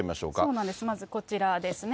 そうなんです、まずこちらですね。